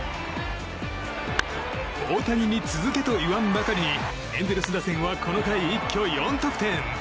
大谷に続けと言わんばかりにエンゼルス打線はこの回、一挙４得点！